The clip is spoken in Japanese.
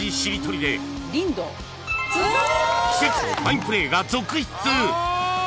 ［奇跡のファインプレーが続出］